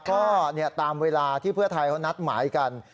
ก็ตามเวลาที่เพื่อไทยเขานัดหมายกัน